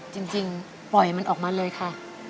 จริงปล่อยมันออกมาเลยค่ะ